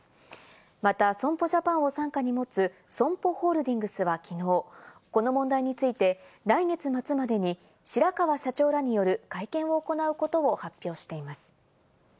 また損保ジャパンを傘下に持つＳＯＭＰＯホールディングスはきのう、この問題について来月末までに白川社長らによる会見を行うことを発表しています。